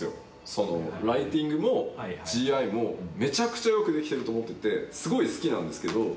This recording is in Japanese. そのライティングもＧＩもめちゃくちゃよく出来てると思っててすごい好きなんですけど